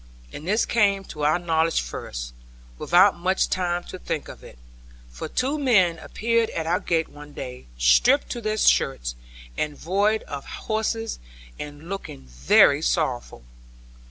And this came to our knowledge first, without much time to think of it. For two men appeared at our gate one day, stripped to their shirts, and void of horses, and looking very sorrowful.